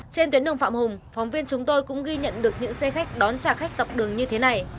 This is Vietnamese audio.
trên tuyến đường phạm hùng phóng viên chúng tôi cũng ghi nhận được những xe khách đón trả khách dọc đường như thế này